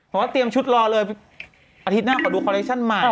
ว่าเตรียมชุดรอเลยอาทิตย์หน้าขอดูคอเลคชั่นใหม่